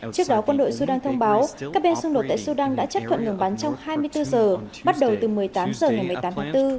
trước đó quân đội sudan thông báo các bên xung đột tại sudan đã chấp thuận ngừng bắn trong hai mươi bốn giờ bắt đầu từ một mươi tám h ngày một mươi tám tháng bốn